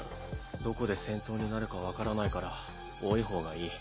どこで戦闘になるか分からないから多い方がいい。